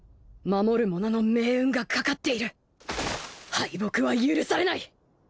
敗北は許されない！